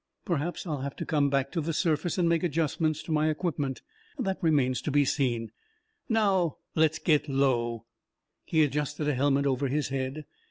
Perhaps I'll have to come back to the surface and make adjustments to my equipment. That remains to be seen.... Now, let's get low." He adjusted a helmet over his head.